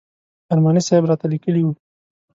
ارماني صاحب راته لیکلي و.